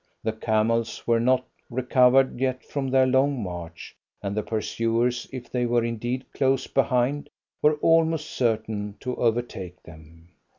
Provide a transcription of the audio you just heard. The camels were not recovered yet from their long march, and the pursuers, if they were indeed close behind, were almost certain to overtake them.